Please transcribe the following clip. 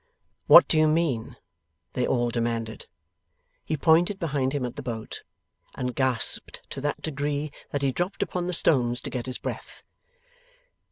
'What do you mean?' they all demanded. He pointed behind him at the boat, and gasped to that degree that he dropped upon the stones to get his breath.